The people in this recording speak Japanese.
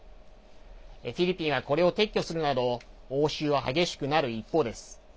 フィリピンはこれを撤去するなど応酬は激しくなる一方です。